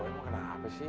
oh emang kenapa sih